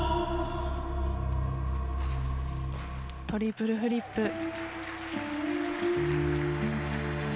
トリプルフリップ。